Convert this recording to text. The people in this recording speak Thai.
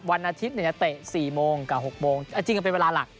วันอาทิตย์จะเตะ๔โมงกับ๖โมงจริงก็เป็นเวลาหลัก